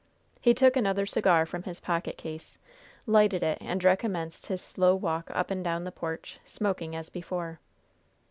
He took another cigar from his pocket case, lighted it and recommenced his slow walk up and down the porch, smoking as before.